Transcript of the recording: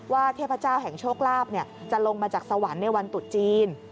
เทพเจ้าแห่งโชคลาภจะลงมาจากสวรรค์ในวันตุจีน